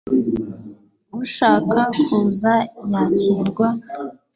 Ushaka kuza yakirwa